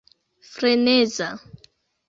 freneza